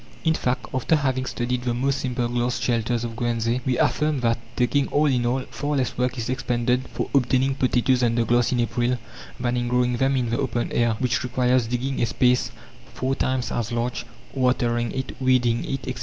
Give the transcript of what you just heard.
In fact, after having studied the most simple glass shelters of Guernsey, we affirm that, taking all in all, far less work is expended for obtaining potatoes under glass in April, than in growing them in the open air, which requires digging a space four times as large, watering it, weeding it, etc.